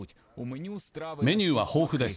メニューは豊富です。